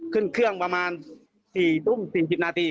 ขึ้นเครื่องประมาณ๔ทุ่ม๔๐นาที